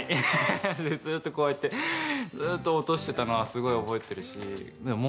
ずっとこうやって落としていたのはすごい覚えているし。